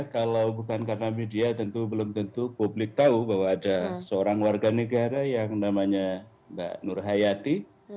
kalau bukan karena media tentu belum tentu publik tahu bahwa ada seorang warga negara yang namanya mbak nur hayati